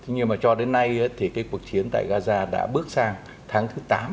nhưng mà cho đến nay thì cái cuộc chiến tại gaza đã bước sang tháng thứ tám